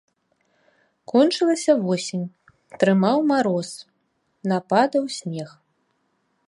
Кончылася восень, трымаў мароз, нападаў снег.